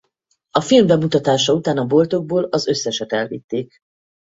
A film bemutatása után a boltokból az összeset elvitték.